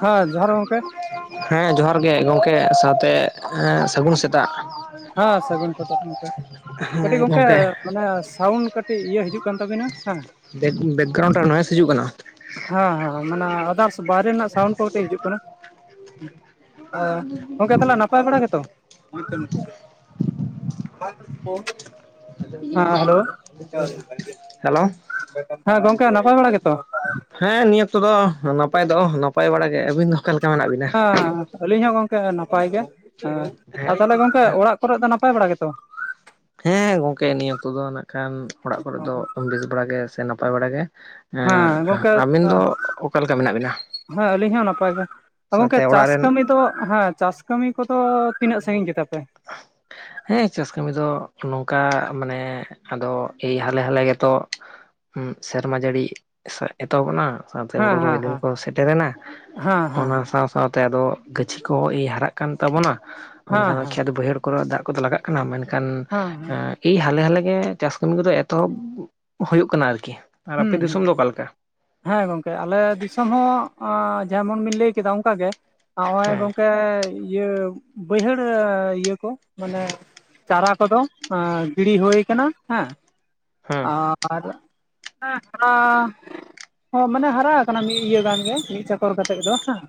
ᱦᱟᱸ ᱡᱚᱦᱟᱨ ᱜᱚᱢᱠᱮ᱾ ᱦᱮᱸ ᱡᱚᱦᱟᱨ ᱜᱮ ᱜᱚᱢᱠᱮ ᱥᱟᱶᱛᱮ ᱮᱸ ᱥᱟᱹᱜᱩᱱ ᱥᱮᱛᱟᱜ᱾ ᱦᱟ ᱥᱟᱹᱜᱩᱱ ᱥᱮᱛᱟᱜ ᱜᱚᱢᱠᱮ᱾ ᱠᱟᱹᱴᱤᱡ ᱜᱚᱝᱠᱮ ᱢᱟᱱᱮ ᱥᱟᱣᱩᱱᱰ ᱠᱟᱹᱴᱤᱡ ᱤᱭᱟᱹ ᱦᱤᱡᱩᱜ ᱠᱟᱱ ᱛᱟᱵᱮᱱᱟ ᱦᱮᱸ ᱵᱮᱠᱼᱵᱮᱠᱜᱨᱩᱱᱰ ᱱᱚᱣᱮᱥ ᱦᱤᱡᱩᱜ ᱠᱟᱱᱟ᱾ ᱦᱟᱸ ᱦᱟᱸᱸ ᱢᱟᱱᱮ ᱟᱫᱟᱨᱥ ᱵᱟᱨᱮ ᱨᱮᱱᱟᱜ ᱥᱟᱣᱩᱱᱰ ᱠᱩ ᱠᱟᱹᱴᱤᱡ ᱦᱤᱡᱩᱜ ᱠᱟᱱᱟ᱾ ᱟᱸᱼ ᱜᱚᱝᱠᱮ ᱛᱟᱦᱞᱮ ᱱᱟᱯᱟᱭ ᱵᱟᱲᱟ ᱜᱮᱛᱚ᱾ ᱦᱮᱸ ᱦᱮᱞᱳ- ᱦᱮᱞᱳᱼ ᱦᱮᱸ ᱜᱚᱝᱠᱮ ᱱᱟᱯᱟᱭ ᱵᱟᱲᱟ ᱜᱮ ᱛᱚ᱾ ᱦᱮᱸ ᱱᱤᱭᱟᱹ ᱚᱠᱛᱚ ᱫᱚ ᱱᱟᱯᱟᱭ ᱫᱚ ᱱᱟᱯᱟᱭ ᱵᱟᱲᱟ ᱜᱮ ᱟᱵᱤᱱ ᱫᱚ ᱚᱠᱟ ᱞᱮᱠᱟ ᱢᱮᱱᱟᱜ ᱵᱤᱱᱟ᱾ ᱦᱮ ᱟᱹᱞᱤᱧ ᱦᱚᱸ ᱜᱚᱝᱠᱮ ᱱᱟᱯᱟᱭ ᱜᱮ ᱦᱮᱸ ᱛᱟᱦᱚᱞᱮ ᱜᱚᱝᱠᱮ ᱚᱲᱟᱜ ᱠᱚᱨᱮ ᱫᱚ ᱱᱟᱯᱟᱭ ᱵᱟᱲᱟ ᱜᱮ ᱛᱚ᱾ ᱦᱮᱸ ᱜᱚᱝᱠᱮ ᱱᱤᱭᱟᱹ ᱠᱩᱛᱚ ᱫᱚ ᱱᱟᱜ ᱠᱷᱟᱱ ᱚᱲᱟᱜ ᱠᱚᱨᱮᱜ ᱫᱚ ᱵᱮᱥ ᱵᱟᱲᱟᱜ ᱜᱮ ᱥᱮ ᱱᱟᱯᱟᱭ ᱵᱟᱲᱟᱜ ᱜᱮ᱾ ᱮᱸ ᱦᱮᱸ ᱜᱚᱝᱠᱮ, ᱟᱹᱵᱤᱱ ᱫᱚ ᱚᱠᱟ ᱞᱮᱠᱟ ᱢᱮᱱᱟᱜ ᱵᱤᱱᱟ ᱦᱮᱸ ᱟᱹᱞᱤᱧ ᱦᱚᱸ ᱱᱟᱯᱟᱭ ᱜᱮ᱾ ᱮ ᱜᱚᱝᱠᱮ ᱥᱟᱶᱛᱮ ᱚᱲᱟᱜ ᱪᱟᱥ ᱨᱮᱱ ᱠᱟᱹᱢᱤ ᱫᱚ ᱦᱟᱸ ᱪᱟᱥ ᱠᱟᱹᱢᱤ ᱠᱚ ᱫᱚ ᱛᱤᱱᱟᱹᱜ ᱥᱟᱺᱜᱤᱧ ᱜᱮᱫᱟ ᱯᱮ? [inaudible] ᱦᱮᱸ ᱪᱟᱥ ᱠᱟᱹᱢᱤ ᱫᱚ ᱱᱚᱝᱠᱟ ᱢᱟᱱᱮ ᱟᱫᱚ ᱮᱭ ᱦᱟᱞᱮ ᱦᱟᱞᱮ ᱜᱮ ᱛᱚ᱾ ᱦᱩᱸ ᱥᱮᱨᱢᱟ ᱡᱟᱹᱲᱤ ᱥᱮ ᱮᱛᱚᱦᱚᱵ ᱮᱱᱟ ᱥᱟᱶᱛᱮ ᱦᱮᱸ ᱦᱩᱲᱩ ᱨᱚᱦᱚᱭ ᱦᱮᱸ ᱫᱤᱱ ᱦᱮᱸ ᱠᱚ ᱥᱮᱴᱮᱨᱮᱱᱟ ᱦᱮᱸ ᱦᱮᱸ ᱚᱱᱟ ᱥᱟᱶ ᱥᱟᱶᱛᱮ ᱟᱫᱚ ᱜᱟᱹᱪᱷᱤ ᱠᱚᱭ ᱦᱟᱨᱟᱜ ᱠᱟᱱ ᱛᱟᱵᱚᱱᱟ, ᱦᱮᱸ ᱢᱮᱱᱠᱷᱟᱱ ᱦᱮᱸ ᱠᱷᱮᱛ ᱵᱟᱹᱭᱦᱟᱹᱲ ᱠᱚᱨᱮ ᱫᱟᱜ ᱠᱚ ᱫᱚ ᱞᱟᱜᱟᱜ ᱠᱟᱱᱟ ᱢᱮᱱ ᱠᱷᱟᱱ ᱦᱮᱸ ᱦᱮᱸ ᱮᱻ ᱮ ᱦᱟᱞᱮ ᱦᱟᱞᱮ ᱜᱮ ᱪᱟᱥ ᱠᱟᱹᱢᱤ ᱠᱚ ᱫᱚ ᱮᱛᱚᱦᱚᱵᱽ ᱦᱩᱭᱩᱜ ᱠᱟᱱᱟ ᱟᱨᱠᱤ ᱟᱨ ᱟᱯᱮ ᱦᱩᱸ ᱫᱤᱥᱚᱢ ᱦᱩᱸ ᱫᱚ ᱚᱠᱟ ᱞᱮᱠᱟ ᱦᱮᱸ ᱜᱚᱝᱠᱮ ᱟᱞᱮ ᱫᱤᱥᱚᱢ ᱦᱚᱸ ᱟᱻ ᱡᱮᱢᱚᱱ ᱵᱤᱱ ᱞᱟᱹᱭ ᱠᱮᱫᱟ ᱚᱱᱠᱟ ᱜᱮ᱾ ᱱᱚᱜᱼᱚᱭ ᱦᱮᱸ ᱜᱚᱝᱠᱮ ᱤᱭᱟᱹ ᱵᱟᱹᱭᱦᱟᱹᱲ ᱤᱭᱟᱹ ᱠᱚ ᱢᱟᱱᱮ ᱪᱟᱨᱟ ᱠᱚ ᱫᱚ ᱟᱻ ᱜᱤᱲᱤ ᱦᱳᱭ ᱠᱟᱱᱟ ᱦᱮᱸ ᱦᱮᱸ ᱟᱨ [unintelligible] ᱦᱳ ᱢᱟᱱᱮ ᱦᱟᱨᱟ ᱟᱠᱟᱱᱟ ᱢᱤᱫ ᱤᱭᱟᱹ ᱜᱟᱱ ᱜᱮ ᱢᱤᱫ ᱪᱟᱠᱚᱨ ᱠᱟᱛᱮᱜ ᱫᱚ ᱦᱮᱸ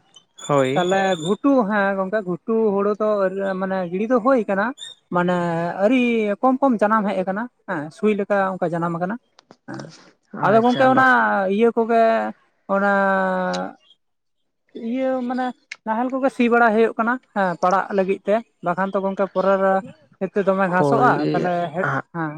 ᱦᱳᱭ ᱛᱟᱦᱞᱮ ᱵᱷᱩᱴ ᱴᱩ ᱦᱮᱸ ᱜᱚᱝᱠᱮ ᱜᱷᱩᱴᱩ ᱦᱩᱲᱳ ᱫᱚ ᱢᱟᱱᱮ ᱜᱤᱲᱤ ᱫᱚ ᱦᱩᱭ ᱠᱟᱱᱟ᱾ ᱢᱟᱱᱮ ᱟᱹᱨᱤ ᱠᱚᱢ ᱠᱚᱢ ᱡᱟᱱᱟᱢ ᱦᱮᱡ ᱟᱠᱟᱱᱟ ᱦᱮᱸ ᱥᱩᱭ ᱞᱮᱠᱟ ᱚᱱᱠᱟ ᱡᱟᱱᱟᱢ ᱟᱠᱟᱱᱟ᱾ ᱦᱮᱸ ᱟᱫᱚ ᱜᱚᱝᱠᱮ ᱟᱪᱪᱷᱟ ᱵᱟ ᱚᱱᱟ ᱤᱭᱟᱹ ᱠᱚᱜᱮ ᱚᱱᱟ ᱤᱭᱟᱹ ᱢᱟᱱᱮ ᱱᱟᱦᱮᱞ ᱠᱚᱜᱮ ᱥᱤ ᱵᱟᱲᱟᱭ ᱦᱩᱭᱩᱜ ᱠᱟᱱᱟ ᱦᱮᱸ ᱯᱟᱲᱟᱜ ᱞᱟᱹᱜᱤᱫ ᱛᱮ ᱵᱟᱠᱷᱟᱱ ᱛᱚ ᱜᱚᱝᱠᱮ ᱯᱚᱨᱮ ᱤᱛᱟᱹ ᱫᱚᱢᱮ ᱦᱳᱭ ᱜᱷᱟᱥᱚᱜ-ᱟ ᱛᱟᱦᱞᱮ ᱦᱮᱫ ᱦᱮᱸ